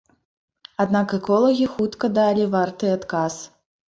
Аднак эколагі хутка далі варты адказ.